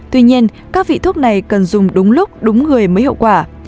tuy nhiên các vị thuốc này cần dùng đúng lúc đúng người mới hiệu quả